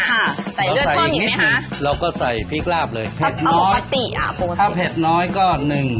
ใส่เลือดพ่ออีกไหมฮะเราก็ใส่พริกลาบเลยเผ็ดน้อยอ่าถ้าเผ็ดน้อยก็หนึ่ง